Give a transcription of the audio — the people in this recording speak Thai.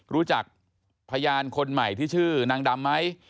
รู้จักพยานคนใหม่ที่ชื่อนางดำไหม